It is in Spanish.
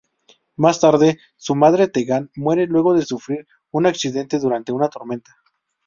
Más tarde su madre Tegan muere luego de sufrir un accidente durante una tormenta.